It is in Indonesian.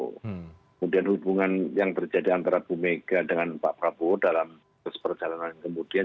kemudian hubungan yang terjadi antara bumega dengan pak prabowo dalam keseperjalanan kemudian